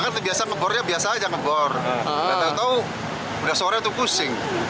biasanya ngebor nggak tau tau udah sore tuh pusing